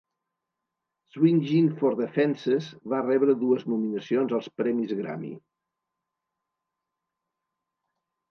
"Swingin for the Fences" va rebre dues nominacions als Premis Grammy.